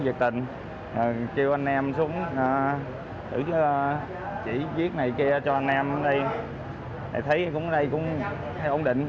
nhiệt tình kêu anh em xuống thử chỉ viết này kia cho anh em đây thấy cũng ở đây cũng ổn định